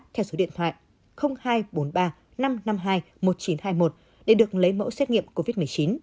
theo số điện thoại hai trăm bốn mươi ba năm trăm năm mươi hai một nghìn chín trăm hai mươi một để được lấy mẫu xét nghiệm covid một mươi chín